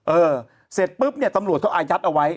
เออเสร็จปุ๊บเนี่ยตำรวจเขาอายัดเอาไว้